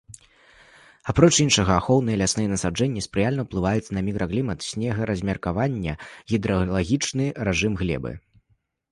Апроч іншага, ахоўныя лясныя насаджэнні спрыяльна ўплываюць на мікраклімат, снего-размеркаванне, гідралагічны рэжым глебы.